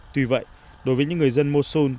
tuy vậy đối với những người dân mosul